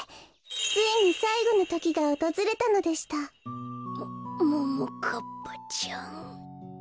ついにさいごのときがおとずれたのでしたもももかっぱちゃん。